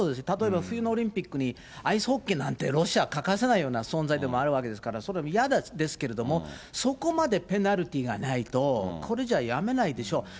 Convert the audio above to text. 例えば冬のオリンピックにアイスホッケーなんて、ロシア欠かせないような存在でもあるわけですから、それ嫌ですけれども、そこまでペナルティーがないと、これじゃ、やめないでしょう。